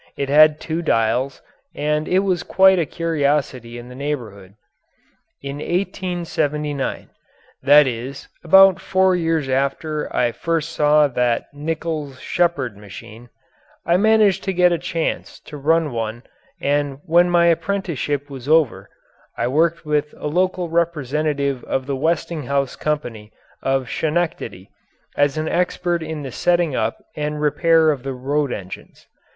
It had two dials and it was quite a curiosity in the neighbourhood. In 1879 that is, about four years after I first saw that Nichols Shepard machine I managed to get a chance to run one and when my apprenticeship was over I worked with a local representative of the Westinghouse Company of Schenectady as an expert in the setting up and repair of their road engines.